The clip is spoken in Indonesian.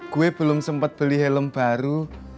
gue belum sempat beli helm baru